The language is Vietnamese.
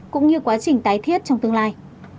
cũng như quá trình tái thiết trong tương lai